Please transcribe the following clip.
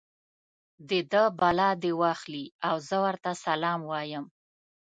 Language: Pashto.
د ده بلا دې واخلي او زه ورته سلام وایم.